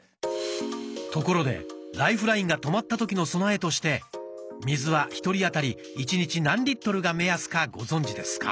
ところでライフラインが止まった時の備えとして水は１人あたり１日何が目安かご存じですか？